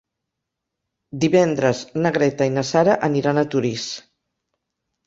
Divendres na Greta i na Sara aniran a Torís.